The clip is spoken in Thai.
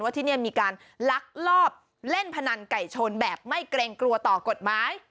ที่นี่มีการลักลอบเล่นพนันไก่ชนแบบไม่เกรงกลัวต่อกฎหมาย